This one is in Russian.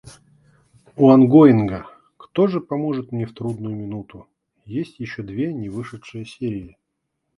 У онгоинга «Кто же поможет мне в трудную минуту?» есть ещё две невышедшие серии.